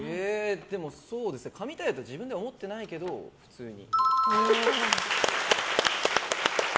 でも、神対応って自分では思ってないけど普通に。